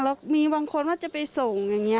แล้วมีบางคนว่าจะไปส่งอย่างนี้